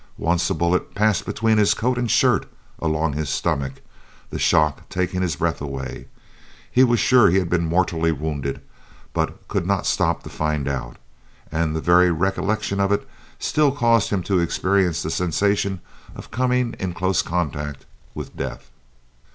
Once a bullet passed between his coat and shirt along his stomach, the shock taking his breath away. He was sure he had been mortally wounded, but could not stop to find out, and the very recollection of it still caused him to experience the sensation of coming into close contact with death.